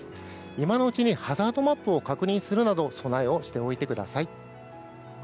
今のうちにハザードマップを確認するなど備えをしておいてください。